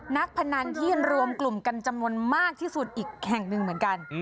พนันที่รวมกลุ่มกันจำนวนมากที่สุดอีกแห่งหนึ่งเหมือนกัน